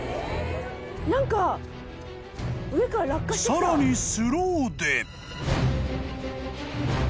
［さらにスローで］